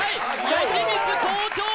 吉光好調！